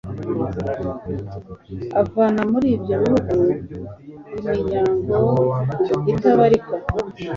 avana muri ibyo bihugu iminyago itabarika